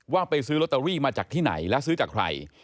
ว่าไปซื้อลอตเตอรี่มาจากที่ไหนและซื้อจากใคร